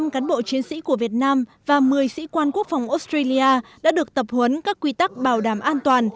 một mươi cán bộ chiến sĩ của việt nam và một mươi sĩ quan quốc phòng australia đã được tập huấn các quy tắc bảo đảm an toàn